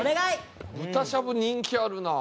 豚しゃぶ人気あるな。